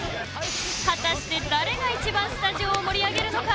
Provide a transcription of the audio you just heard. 果たして、誰が一番スタジオを盛り上げるのか。